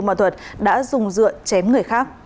công an tp bùm đã dùng dựa chém người khác